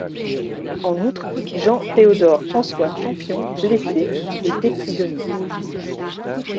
En outre Jean Théodore François Champion blessé est fait prisonnier.